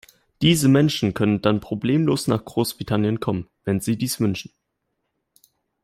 Diese Menschen können dann problemlos nach Großbritannien kommen, wenn sie dies wünschen.